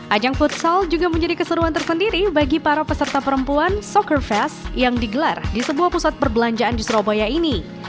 ajang futsal juga menjadi keseruan tersendiri bagi para peserta perempuan soccer fest yang digelar di sebuah pusat perbelanjaan di surabaya ini